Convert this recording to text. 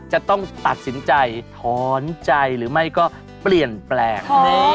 จะต้องตัดสินใจถอนใจหรือไม่ก็เปลี่ยนแปลง